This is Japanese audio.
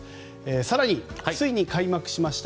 更に、ついに開幕しました